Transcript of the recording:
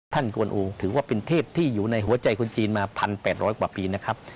กวนโอถือว่าเป็นเทพที่อยู่ในหัวใจคนจีนมา๑๘๐๐กว่าปีนะครับ